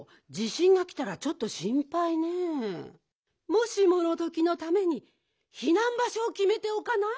もしものときのためにひなんばしょをきめておかない？